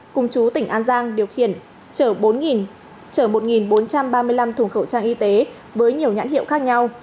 cùng chú tỉnh an giang điều khiển chở bốn chở một bốn trăm ba mươi năm thùng khẩu trang y tế với nhiều nhãn hiệu khác nhau